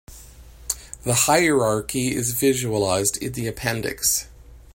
The hierarchy is visualized in the appendix.